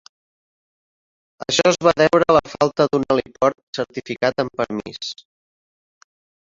Això es va deure a la falta d'un heliport certificat amb permís.